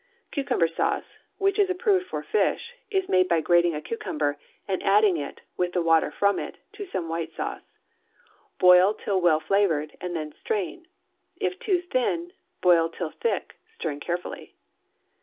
Cucumber sauce, which is approved for fish, is made by grating a cucumber, and adding it, with the water from it, to some white sauce; boil till well flavored, and then strain. If too thin, boil till thick, stirring carefully.